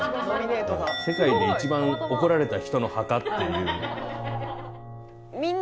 「世界で一番怒られた人の墓」っていう。